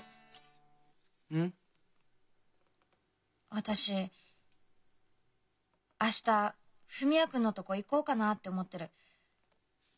私明日文也君のとこ行こうかなと思ってる。